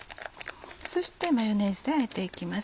そしてマヨネーズであえていきます。